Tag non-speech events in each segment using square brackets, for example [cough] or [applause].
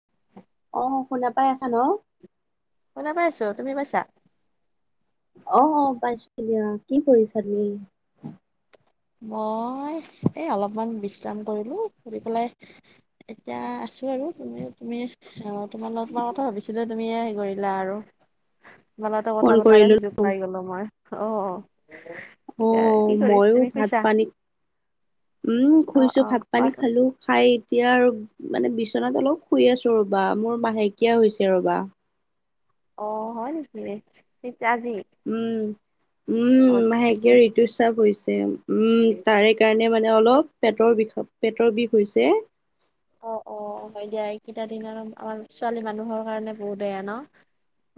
[unintelligible] অ'শুনা পাই আছা ন? শুনা পাইছোঁ। তুমি পাইছা? অ', অ' পাইছোঁ দিয়া। কি কৰিছা তুমি? মই, এ অলপমান বিশ্ৰাম কৰিলোঁ। কৰি পেলাই, এতিয়া আছোঁ আৰু তুমি তুমি অ' তোমাৰ লগত তোমাৰ কথা ভাবিছিলোৱে তুমিয়ে হেই কৰিলা আৰু। তোমাৰ লগতো ফোন কথা পতাৰে কৰিলো ন সুযোগ পাই গ'লোঁ মই। অ' অ [unintelligible] কি কৰিছ মইও তুমি ভাত শুইছা পানী উম, অ শুইছো অ ভাত পানী কোৱাচোন খালো খাই এতিয়া আৰু মানে বিচনাত অলপ শুই আছো ৰ'বা। মোৰ মাহেকীয়া হৈছে ৰ'বা। অ' হয় নেকি? কেতিয়া, আজি? উম, উম অ ঠিকে মাহেকীয়া ঋতুস্ৰাৱ হৈছে উম, তাৰে সেইকাৰণে মানে অলপ পেটৰ বিষ পেটৰ বিষ হৈছে। অ' অ' হয় দিয়া। এইকিটা দিন আৰু আমাৰ ছোৱালী মানুহৰ কাৰণে বহুত বেয়া ন।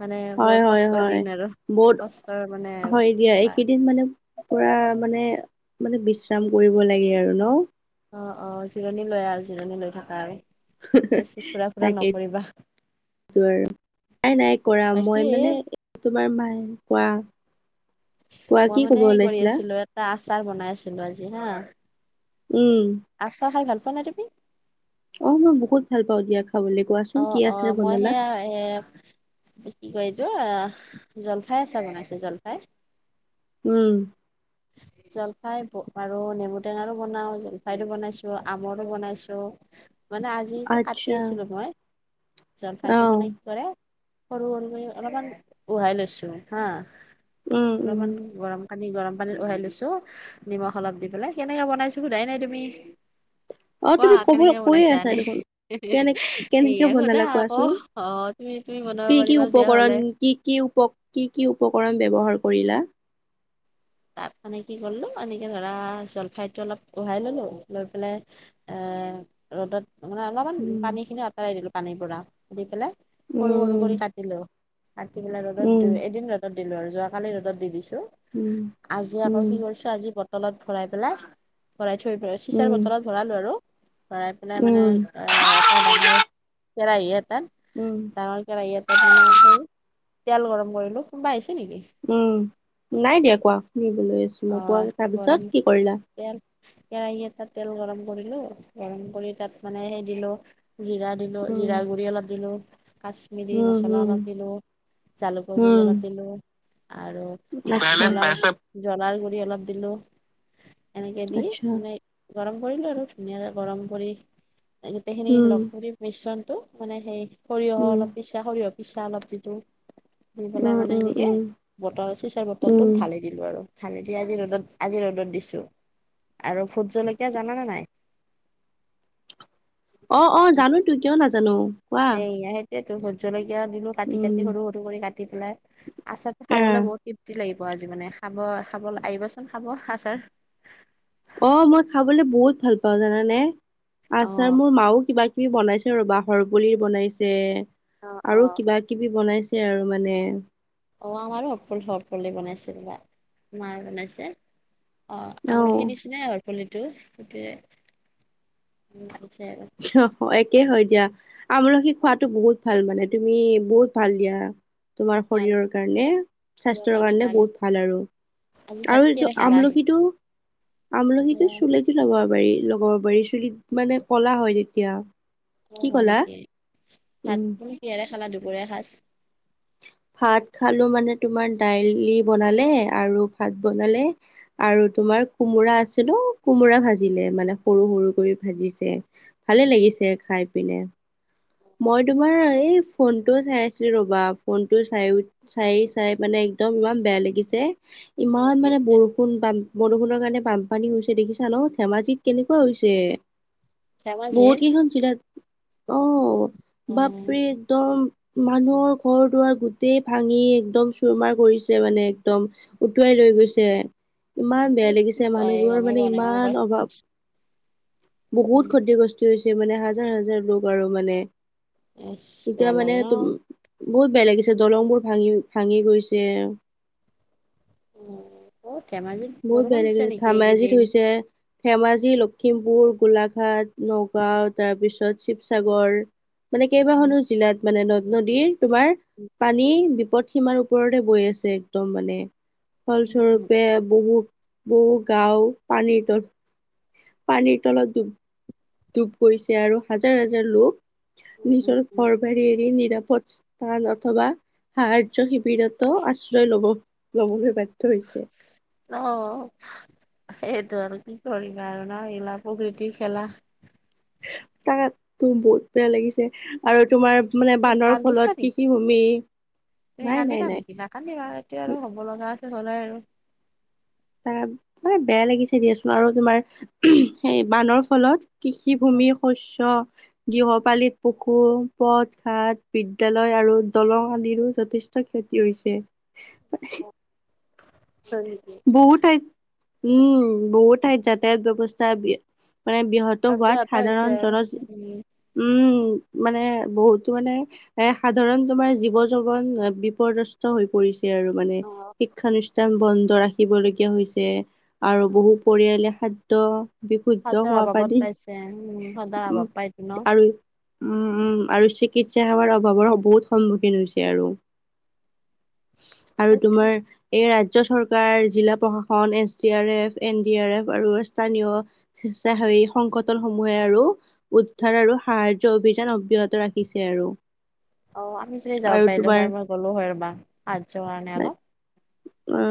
মানে হয় বহুত হয় কষ্টৰ হয় দিন আৰু বহুত কষ্টৰ মানে হয় বা [unintelligible] মানে পুৰা মানে, মানে বিশ্ৰাম কৰিব লাগে আৰু ন? অ অ জিৰণি লৈ আৰু জিৰণি লৈ থাকা আৰু বেছি ফুৰা - ফুৰা নকৰিবা। টোৰ আৰু নাই কৰা বাকী মই মানে তোমাৰ মায়ে, কোৱা। কোৱা মই কি মানে ক'ব হেৰি কৰি ওলাইছিলা আছিলো, এটা আচাৰ বনাই আছিলো আজি হা। উম। আচা খাই ভাল পোৱা নাই তুমি? অ মই বহুত ভাল পাওঁ দিয়া খাবলে, অ কোৱাচোন কি অ আচাৰ মই বনালা? সেয়া এ কি কয় এইটো, অ জলফাই আচাৰ বনাইছো জলফাই। উম। জলফাই আৰু নেমু টেঙাৰো বনাও জলফাইৰো বনাইছো আমৰো বনাইছো। মানে আজি যে কাটি আচ্ছা আছিলো মই, অ জলফাইটো মানে কি কৰে - সৰু সৰুকৈ অলপমান উহাই লৈছো হা, উম উম অলপমান গৰম পানী গৰম - পানীত উহাই লৈছো নিমখ অলপ দি পেলাই, কেনেকে বনাইছো সোধাই নাই তুমি। অ কোৱা তুমি কব কেনেকে কৈয়ে বনাইছা আছা ইনেই? দেখোন কেনে কেনেকে এইয়া সোধা বনালা আক। অ কোৱাচোন তুমি তুমি বনাব কি কি পাৰিবা তেতিয়া উপকৰণ হ'লে। কি কি উপ কি কি উপকৰণ ব্যৱহাৰ কৰিলা? তাত মানে কি কৰিলোঁ এনেকে ধৰা জলফাইটো অলপ উহাই ললোঁ, লৈ পেলাই - এ ৰ'দত - মানে অলপমান উম পানীখিনি আঁতৰাই দিলোঁ পানীৰ পৰা, দি পেলাই সৰু সৰু উম কৰি কাটিলোঁ। কাটি পেলাই ৰ'দত দি উম এদিন ৰ'দত দিলো আৰু যোৱাকালি ৰ'দত দি দিছো। উম। আজি আকৌ কি কৰিছো, আজি বটলত ভৰাই পেলাই ভৰাই থৈ পোৰা উম চিচাৰ উম বটলত ভৰালো আৰু। ভৰাই পেলাই মানে, উম আ এটা ডাঙৰ কেৰাহী এটাত - উম। ডাঙৰ কেৰাহী এটাত মানে সেই তেল গৰম কৰিলো। কোনোবা আহিছে নেকি? উম, নাই দিয়া কোৱা শুনিব লৈ আছো অ মই কোৱা তাৰপিছত গৰম কি কৰিলা? তেল কেৰাহী এটাত তেল গৰম কৰিলোঁ, গৰম কৰি তাত মানে সেই দিলোঁ - জিৰা দিলো জিৰা গুৰি অলপ দিলো কাছ মিৰি মছলা অলপ দিলোঁ জালুকৰ গুড়ি অলপ দিলোঁ আৰু, - [unintelligible] জলাৰ গুৰি অলপ দিলো, এনেকে দি আচ্ছা মানে - গৰম কৰিলো আৰু ধুনীয়াকে গৰম কৰি গোটেই খিনি উম লগ কৰি - মিশ্ৰণটো মানে সেই সৰিয়হ উম অলপ পিচা সৰিয়হ পিচা অলপ দিলো। দি পেলাই উম মানে উম এনেকে উম বটল চিচাৰ বটলটোত উম ঢালি - দিলো আৰু ঢালিদি আজি ৰ'দত আজি ৰ'দত দিছো, আৰু ভূট জলকীয়া জানানে নাই? অ অ জানো তো, কিয় নাজানো। কোৱা এইয়া সেইটোৱেতো, ভূত জলকীয়া দিলো। কাটি উম কাটি সৰু সৰু কৰি কাটি পেলাই আচাঁৰ খাবলৈ আহ বহুত তৃপ প্তি লাগিব আজি মানে, খাব খাবলে আহিবাচোন খাব আচাৰ। অ মই খাবলে বহুত ভাল পাওঁ জানানে, আচাৰ অ', মোৰ মাও কিবা - কিবি বনাইছে ৰ'বা হৰপুলিৰ বনাইছে অ', আৰু অ', কিবা - কিবি বনাইছে আৰু মানে। অ আমাৰো হৰফুল হৰপুলিৰ বনাইছে ৰ'বা, মাঁয়ে বনাইছে। অ আমলখি নিচিনাই হৰপুলিটো সেইটোৱে অ পিছে - অ একে হয় দিয়া, আমলখি খোৱাতো বহুত ভাল মানে তুমি বহুত ভাল দিয়া। তোমাৰ কাণৰ শৰীৰৰ কাৰণে, স্বাস্থ্যৰ কাৰণে বহুত ভাল আৰু। আজি ভাত আৰু এইটো কিহেৰে খালা? আমলখি টো, আমলখি অ টো চুলি ত লগাব পাৰি, লগাব পাৰি চুলিত, মানে ক'লা হয় তেতিয়া। কি অ'হয় ক'লা নেকি? ভাত উম তুমি কিহেৰে খালা দুপৰীয়া সাঁজ? ভাত খালোঁ মানে তোমাৰ দাইলি বনালে আৰু ভাত বনালে। আৰু তোমাৰ কোমোৰা আছিল ঔ কোমোৰা ভাজিলে মানে সৰু সৰু কৰি ভাজিছে। ভালে লাগিছে খাই পিনে। মই তোমাৰ এই ফোনটোও চাই আছিলোঁ ৰ'বা, ফোনটো চাই উঠ- চাই চাই মানে একদম ইমান বেয়া লাগিছে, অ ইমান কি মানে বৰষ- ষুণ বান বৰষুণৰ কাৰণে বানপানী হৈছে দেখিছাঁ ন? ধেমাজিত কেনেকুৱা হৈছে? বহুত ধেমাজিত কেইখন জিলাত, অঁ' অ বাপৰে একদম- মানুহৰ ঘৰ-দুৱাৰ গোটেই ভাঙি একদম চুৰমাৰ কৰিছে মানে একদম। উটুৱাই লৈ গৈছে। ইমান বেয়া এই কি লাগিছে কয় মানুহবোৰৰ গমেই মানে পোৱা নাই মই ইমান মোবাইল অভাৱ, ইচ বহুত ক্ষতিগ্ৰস্ত- তি হৈছে মানে, হাজাৰ হাজাৰ লোক আৰু মানে, বেয়া এতিয়া লাগে মানে ন তুম- বহুত বেয়া লাগিছে, দলং বোৰ ভাঙি ভাঙি গৈছে। অ ধেমাজিত বহুত বৰষুণ বেয়া দিছে লাগিলে, নেকি ধেমাজিত এইকেইদিন? হৈছে। ধেমাজি, লখিমপুৰ, গোলাঘাট, নগাঁও তাৰপিছত শিৱসাগৰ- মানে কেইবাখনো জিলাত মানে, নদ-নদীৰ তোমাৰ পানী বিপদ- সীমাৰ ওপৰতে বৈ আছে একদম মানে, ফলস্বৰূপে বহু- বহু গাঁও পানীৰ তল- পানীৰ তলত ডুব, ডুব গৈছে আৰু হাজাৰ হাজাৰ লোক। নিজৰ ঘৰ-বাৰী এৰি নিৰাপদ স্থান অথবা- সাহায্য শিবিৰটো আশ্ৰয় ল'ব, লবলৈ বাধ্য হৈছে। অঁঅ'। সেইটো আৰু কি কৰিম আৰু ন? এগিলা প্ৰকৃতি খেলা। তাকে তো বহুত বেয়া লাগিছে, আৰু তোমাৰ- মানে তুমি বানৰ কান্দিছা ফলত নেকি? কৃষি ভূমি তুমি নাই, নাই, কান্দিলা নাই। নেকি নাকান্দিবা এইটো আৰু হ'ব লগা আছিল, হ'লেই আৰু। তাত মানে বেয়া লাগিছে দিয়াচোন, আৰু তোমাৰ সেই বানৰ ফলত- হয় কৃষিভূমি, শস্য- গৃহপালিত পশু, পথ-বাট, বিদ্যালয় আৰু দলং আদিৰো যথেষ্ট- ষ্ট ক্ষতি হৈছে। অঁ'। হয় নিকি? বহু ঠাইত, উম' বহু ঠাইত যাতায়াত ব্যৱস্থা বৃ মানে বৃহৎ- ত আৰু হোৱাত, বিয়া এটা হৈছে সাধাৰণ আৰু জনজ উম উম' মানে বহুতো মানে- এ, সাধাৰণ তোমাৰ জীৱ জগন বিপদস্ত হৈ পৰিছে। ছে আৰু মানে, অ শিক্ষানুষ্ঠান বন্ধ ৰাখিবলগীয়া হৈছে। আৰু বহু পৰিয়ালে খাদ্য- বিশুদ্ধ খাদ্যৰ খোৱা অভাৱত পানী, পাইছে উম খাদ্যৰ উম' অভাৱ পাইতো ন আৰু- উম উম' আৰু চিকিৎসা সেৱাৰ অভাৱৰ স বহুত সন্মুখীন হৈছে আৰু। [inaudible] আৰু তোমাৰ এই ৰাজ্য চৰকাৰ- জিলা প্ৰশাসন, S D R F, N D R F আৰু স্থানীয়- স্বেস্বাসেৱী সংকটৰ সময় আৰু- উদ্ধাৰ আৰু সাহাৰ্য্য অভিযান অব্যাহত ৰাখিছে আৰু। অঁ' আমিও যদি যাব আৰু পাৰিলোঁ তোমাৰ হয়, মই গ'লো হয় ৰ'বা, সাহায্য কাৰণে লাইক অলপ।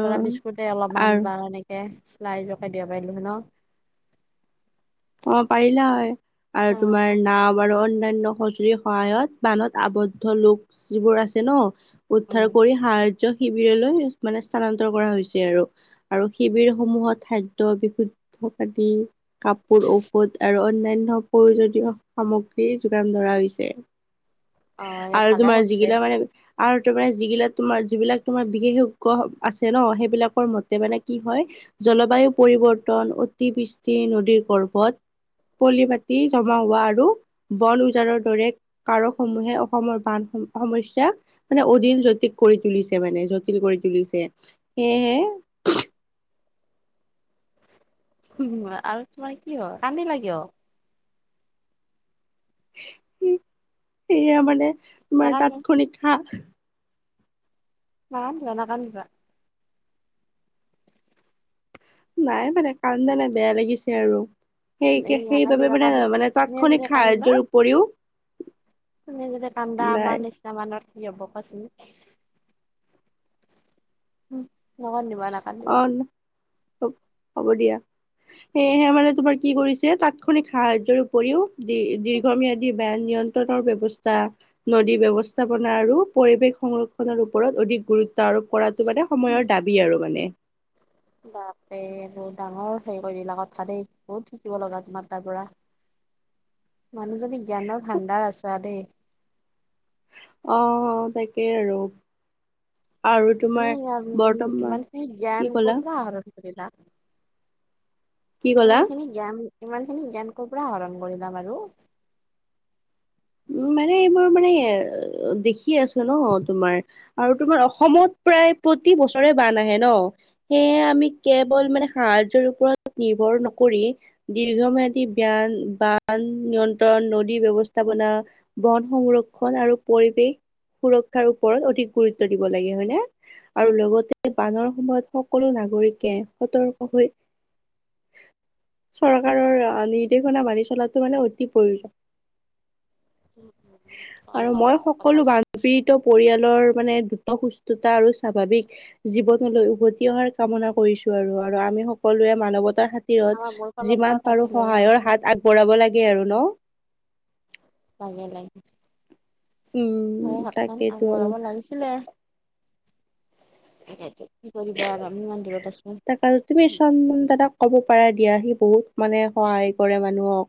ধৰা বিস্কুটে অলমান আৰু বা এনেকে চিলাইজ কে দিব পাৰিলো হয় ন। অ', পাৰিলা হয়। আৰু অ তোমাৰ, নাও আৰু অন্যান্য সঁজুলিৰ সহায়ত, বানত আৱদ্ধ লোক যিবোৰ আছে ন। উদ্ধাৰ উম কৰি, সাহায্য শিবিৰলৈ, মানে স্থানান্তৰ কৰা হৈছে আৰু। আৰু শিবিৰসমূহত খাদ্য, বিশুদ্ধ পানী কাপোৰ, ঔষধ আৰু অন্যান্য প্ৰয়োজনীয় সামগ্ৰী, যোগান ধৰা হৈছে। অ এই আৰু ভালে তোমাৰ, কৰিছে যিগিলা মানে আৰু তোমাৰ যিগিলাক, তোমাৰ যিবিলাক তোমাৰ, বিশেষজ্ঞ আছে ন, সেইবিলাকৰ মতে মানে কি হয় জলবায়ু পৰিৱৰ্তন, অতিবৃষ্টি, নদীৰ গৰ্ভত পলি মাটি, জমা হোৱা আৰু বন উজাৰৰ দৰে কাৰকসমূহে, অসমৰ বান সমস্যা মানে, অদীল জটিল কৰি তুলিছে, মানে জটিল কৰি তুলিছে। সেয়েহে আৰু তোমাৰ কি হয়, কান্দিলা কিয়? সেয়া মানে, তোমাৰ নাকান্দিবা তাতখনিক সা নাকান্দিবা, নাকান্দিবা। নাই মানে, কান্দা নাই, বেয়া লাগিছে আৰু। সেই এই সেইবাবে নাকান্দিবা মানে, কান্দিলে মানে তুমিয়ে তাৎক্ষণিক যদি কান্দা সাহায্যৰ উপৰিও তুমি যদি, কান্দা আমাৰ লাই নিচ নিচিনা মানুহৰ কি হ'ব কোৱাচোন, নাকান্দিবা। অ', হ হ'ব দিয়া। সেয়েহে মানে তোমাৰ কি কৰিছে, তাৎক্ষণিক সাহায্যৰ উপৰিও, দীৰ দীৰ্ঘম্যাদী বান নিয়ন্ত্ৰণ ৰ ব্যৱস্থা, নদী ব্যৱস্থাপনা আৰু পৰিৱেশ সংৰক্ষণৰ ওপৰত, অধিক গুৰুত্ব আৰোপ কৰাটো মানে, সময়ৰ দাবী আৰু মানে। বাপে বহুত ডাঙৰ হে কৰি দিলা কথা দেই, বহুত শিকিব লগা তোমাৰ তাৰপৰা মানুহজনী, জ্ঞানৰ ভাণ্ডাৰ আছা দেই। অ', অ', তাকেই আৰু। আৰু তোমাৰ এনে আৰু, বৰ্তমান ইমানখিনী কি জ্ঞান ক'লা কৰপৰা আহৰন শিকিলা, কি ক'লা ইমান খিনি। জ্ঞান, ইমানখিনি জ্ঞান ক'ৰপৰা আহৰণ কৰিলা বাৰু। মানে, মই মানে, দেখি আছোঁ ন তোমাৰ। আৰু তোমাৰ, অসমত প্ৰায়, প্ৰতি বছৰে বান আহে ন। সেয়েহে, আমি কেৱল মানে, সাহায্যৰ ওপৰত নিৰ্ভৰ নকৰি দীৰ্ঘম্যাদী বান, বান নিয়ন্ত্ৰণ, নদী ব্যৱস্থা ব্যৱস্থাপনা, বন-সংৰক্ষণ আৰু পৰিৱেশ সুৰক্ষাৰ ওপৰত, অধিক গুৰুত্ব দিব লাগে হয় নে। আৰু লগতে, বানৰ সময়ত সকলো নাগৰিকে, সতৰ্ক হৈ চৰকাৰৰ, নিৰ্দেশনা মানি চলাটো মানে, অতি প্ৰয়োজন [inaudible] হয় আৰু, হয় মই হয় সকলো কথাষাৰ বান পীড়িত পৰিয়ালৰ মানে, দ্ৰুত সুস্থতাৰ আৰু স্বাভাৱিক জীৱনলৈ উভতি অহাৰ কামনা কৰিছোঁ আৰু, আৰু আমি সকলোৱে মানৱতাৰ খাতিৰত, আমাৰ মোৰ ফালৰ পৰা যিমান পাৰোঁ থাকিলে মোৰ সহায়ৰ হাত আগবঢ়াব লাগে আৰু ন। লাগে, লাগে হয়, উম হাতখন তাকেইতো আৰু আগবঢ়াব লাগিছিল। তাকেটো কি কৰিবা আৰু, আমি ইমান দূৰত আছোঁ। তাক আৰু তুমি চন্দন দাদাক ক'ব পাৰা দিয়া, সি বহুত মানে, সহায় কৰে মানুহক।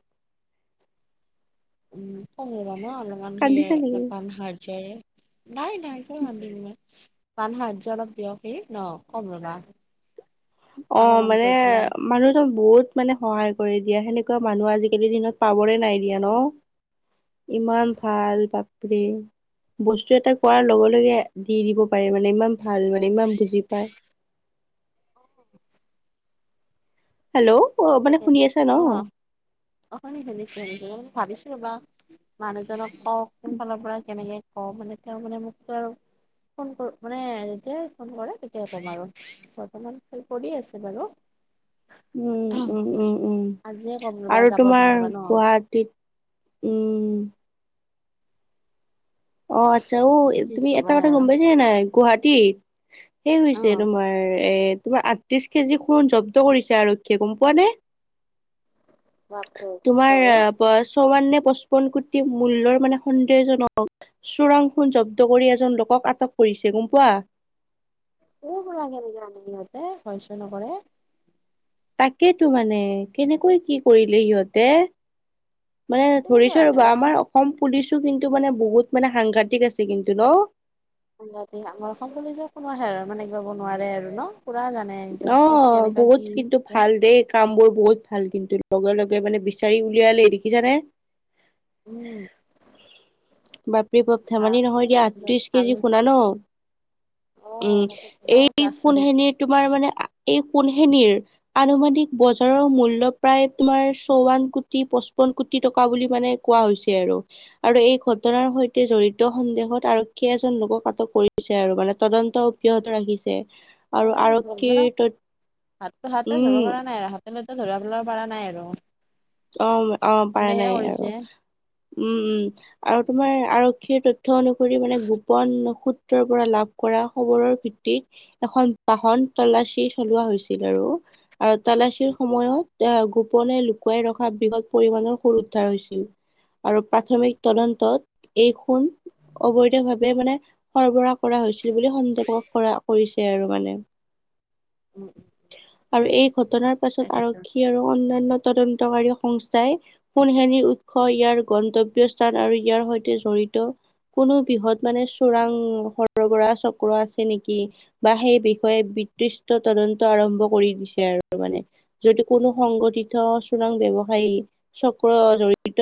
উম কম ন অলপমান সেয় কান্দিছা নেকি বান সাহায্যয়ে নাই নাই কিয় হাস দিম মই বান সাহায্য অলপ দিয়কে ন কম ৰবা অ অলপমান মানে, গৈ পেলাই মানুহ তক বহুত মানে সহায় কৰি দিয়া, সেনেকুৱা মানুহ আজিকালিৰ দিনত পাবৰে নাই দিয়া ন? [inaudible] ইমান ভাল বাপৰে, বস্তু এটা কোৱাৰ লগে লগে? দি দিব পাৰে মানে ইমান ভাল মানে ইমান বুজি পায়। হেল্ল' অ মানে শুনি তাকেতো আছা ন? অ হয় শুনিছোঁ শুনিছোঁ মই মানে ভাবিছো ৰ'বা। মানুহজনক কও কোন ফালৰ পৰা কেনেকে কওঁ মানে তেওঁ মানে মোকতো আৰু, ফোন কৰ মানে যেতিয়াই ফোন কৰে তেতিয়াই ক'ম, আৰু বৰ্তমান ফোন কৰি আছে বাৰু??? উম উম উম উম আজিয়ে কম ৰ'বা আৰু যাব দিম তোমাৰ ৰ'বা ন কোৱা? [unintelligible] উম! অ আচ্ছা অ কি তুমি এটা কবা কথা গম আৰু পাইছে নে নাই গুৱাহাটীত? সেই অ হৈছে তোমাৰ এ? তোমাৰ আঠত্ৰিশ কেজি সোণ জব্দ কৰিছে আৰক্ষীয়ে গম পোৱা নে? বাপৰে কি তোমাৰ কয় পছ, ছৌৱান্নেে, পঁচপন্ন কোটি মূল্যৰ মানে সন্দেহজনক। চোৰাং খুণ জব্দ কৰি এজন লোকক আটক কৰিছে, গম পোৱা? ক'ৰ পৰা কেনেকে আনে সিহঁতে ভয় ছয় নকৰে। তাকেইেতো মানে কেনেকৈ কি কৰিলে সিহঁতে। মানে কেনেকুৱা ধৰিছো ৰ'বা আনিবা আমাৰ অসম পুলিচো কিন্তু মানে বহুত মানে সাংঘাতিিক আছে কিন্তু ন? জা আমাৰ অসম কুলিজৰ কোনো হেৰাব মানে নোৱাৰে আৰু ন পুৰা জানে। নে এইটো ক'ত অ' কেনেুকা, বহুত কি কিন্তু ভাল দেই কাম বোৰ বহুত ভাল কিন্তু লগে লগে মানে বিচাৰি উলিয়ালেই দেখিছানে। [inaudible] বাপৰি বপ ধেমালি নহয় দিয়া, আঠত্ৰিশ ভাল কেজি শুনা ন। অ অ এই আচৰিত সোনখিনিৰ তোমাৰ মানে এই সোণখিনিৰ, আনুমানিক বজাৰৰ মূল্য প্ৰায় তোমাৰ চৌৱন কোটি পচপন্ন কোটি টকা বুলি মানে, কোৱা হৈছে আৰু। আৰু এই ঘটনাৰ সৈতে জড়িত সন্দেহত আৰক্ষীয়ে এজন লোকক আটক কৰিছে। আৰু মানে তদন্ত, অব্যাহত ৰাখিছে আৰু আৰক্ষী, লজ্জনক হাত হাতে ধৰিব পৰা নাই আৰু হাতে লতে ধৰা পেল পৰা নাই আৰু, অ অ পাৰা সন্দেহে নাই আৰু কৰিছে। উম উম আৰু তোমাৰ আৰক্ষীৰ তথ, তথ অনুসৰি মানে গোপন সূত্ৰৰ পৰা লাভ কৰা খবৰৰ ভিত্তিত, এখন বাহন তালাছি চলোৱা হৈছিল আৰু, আৰু তালাছিৰ সময়ত এ গোপনে, শুকুৱাই ৰখা বৃহৎ পৰিমণৰ সুৰ উদ্ধাৰ হৈছিল। আৰু প্ৰাথমিক তদন্তত, এই সোণ অবৈধভাৱে মানে, সৰবৰাহ কৰা হৈছিল বুলি সন্দেহ কৰা কৰিছে আৰু মানে, উম, আৰু এই ঘটনাৰ পাছত তাকেতো আৰক্ষী আৰু অন্যান্য, তদন্তকাৰী সংস্থাই, সোনখেনিৰ উৎস, ইয়াৰ গন্তব্য স্থান, আৰু ইয়াৰ সৈতে জড়িত, কোনো বিৃহৎ মানে চোৰাং সৰগৰা চক্ৰ আছে নেকি? বা সেই বিষয়ে বিতৃষ্ট তদন্ত আৰম্ভ কৰি দিছে আৰু মানে। যদি কোনো সংগঠিত চোৰাং ব্যৱসায়ী চক্ৰ জড়িত